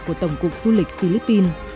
của tổng cục du lịch philippines